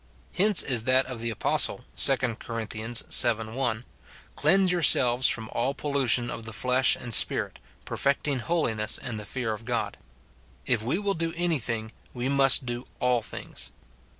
Hence is that of the apos tle, 2 Cor. vii. 1, " Cleanse yourselves from all pollution of the flesh and spirit, perfecting holiness in the fear of God." If we will do any thing, we must do all things.